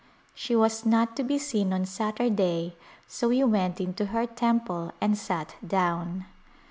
She was not to be seen on Saturday so we went into her temple and sat down.